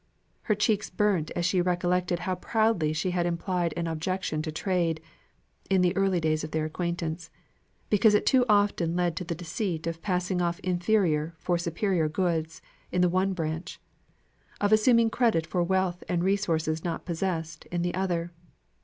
Her cheeks burnt as she recollected how proudly she had implied an objection to trade (in the early days of their acquaintance), because it too often led to the deceit of passing off inferior for superior goods, in the one branch; of assuming credit for wealth and resources not possessed, in the other.